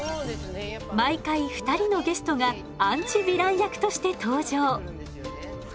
毎回２人のゲストがアンチヴィラン役として登場。